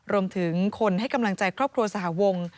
รวมถึงคนให้กำลังใจครอบครัวสหวง